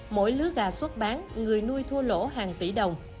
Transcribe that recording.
mỗi lứa gà xuất bán người nuôi thua lỗ hàng tỷ đồng